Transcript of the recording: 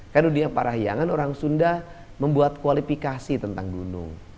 karena dunia parahyangan orang sunda membuat kualifikasi tentang gunung